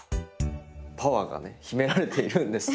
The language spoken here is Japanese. パワーがね秘められているんですね。